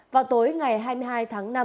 vào tối ngày hai mươi hai tháng năm